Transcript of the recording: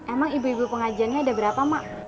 emang ibu ibu pengajiannya ada berapa mak